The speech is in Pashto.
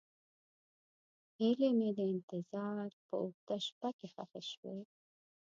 هیلې مې د انتظار په اوږده شپه کې ښخې شوې.